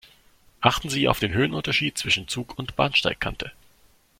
Achten Sie auf den Höhenunterschied zwischen Zug und Bahnsteigkante.